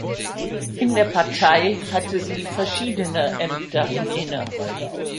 In der Partei hatte sie verschiedene Ämter inne.